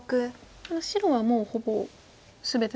ただ白はもうほぼ全ての石が。